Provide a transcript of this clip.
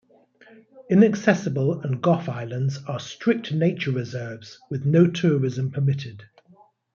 Inaccessible and Gough Islands are strict nature reserves with no tourism permitted.